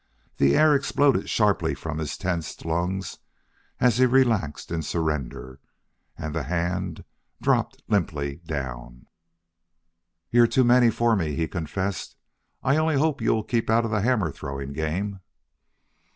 The air exploded sharply from his tensed lungs, as he relaxed in surrender, and the hand dropped limply down. "You're too many for me," he confessed. "I only hope you'll keep out of the hammer throwing game."